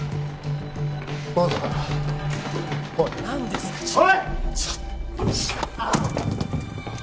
何ですか？